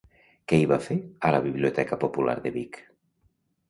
Què hi va fer a la Biblioteca Popular de Vic?